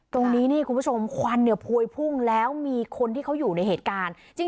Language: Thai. ตรงนี้นี่คุณผู้ชมควันเนี่ยพวยพุ่งแล้วมีคนที่เขาอยู่ในเหตุการณ์